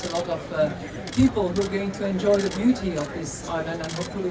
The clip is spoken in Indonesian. banyak orang yang akan menikmati keindahan di daerah ini